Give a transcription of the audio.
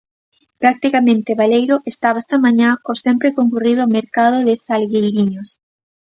Practicamente baleiro estaba esta mañá o sempre concorrido mercado de Salgueiriños.